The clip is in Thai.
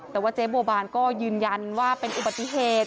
แต่ว่าเจ๊บัวบานก็ยืนยันว่าเป็นอุบัติเหตุ